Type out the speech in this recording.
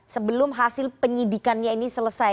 sebelum hasil penyidikannya ini selesai